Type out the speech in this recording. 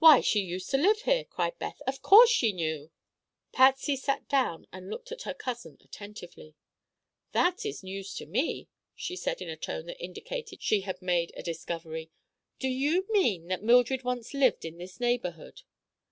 "Why, she used to live here!" cried Beth. "Of course she knew." Patsy sat down and looked at her cousin attentively. "That is news to me," she said in a tone that indicated she had made a discovery. "Do you mean that Mildred once lived in this neighborhood?"